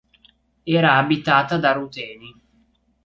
Era abitata da ruteni.